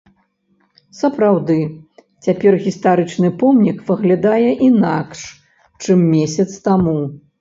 Сапраўды, цяпер гістарычны помнік выглядае інакш, чым месяц таму.